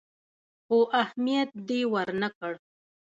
خو اهميت دې ورنه کړ.